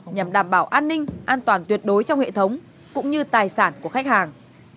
nhằm đảm bảo an ninh an toàn tuyệt đối trong hệ thống cũng như tài sản của khách hàng